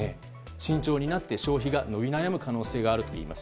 慎重になって消費が伸び悩む可能性があるといいます。